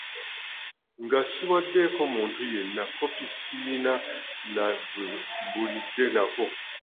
Nga siwaddeeko muntu yenna kkopi, siyina na gwe mbuulidde nako.